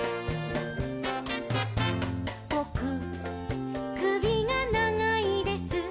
「ぼくくびがながいです」